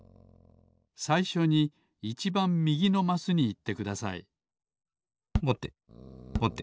さいしょにいちばんみぎのマスにいってくださいぼてぼて。